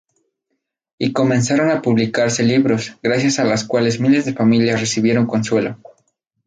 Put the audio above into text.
Y comenzaron a publicarse libros, gracias a los cuales miles de familias recibieron consuelo.